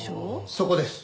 そこです。